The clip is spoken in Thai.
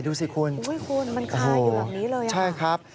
ดูสิคุณโอ้โฮคุณมันคาอยู่แบบนี้เลยนะครับโอ้โฮใช่ครับ